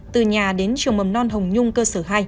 từ nhà đến trường mầm non hồng nhung cơ sở hai